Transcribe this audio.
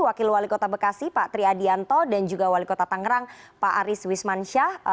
wakil wali kota bekasi pak tri adianto dan juga wali kota tangerang pak aris wismansyah